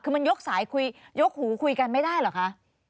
คือมันยกสายคุยยกหูคุยกันไม่ได้เหรอคะ